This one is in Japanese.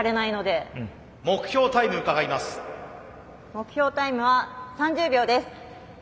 目標タイムは３０秒です。